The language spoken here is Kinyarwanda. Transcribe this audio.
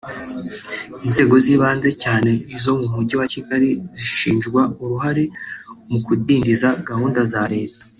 Inzego z’ibanze cyane izo mu mujyi wa Kigali zishinjwa uruhare mu kudindiza gahunda za leta